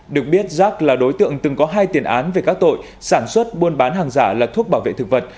được biết giáp là đối tượng từng có hai tiền án về các tội sản xuất buôn bán hàng giả là thuốc bảo vệ thực vật